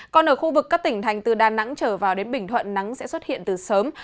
còn ở khu vực các tỉnh thành từ đà nẵng trở vào đến bình thuận nắng sẽ xuất hiện từ sớm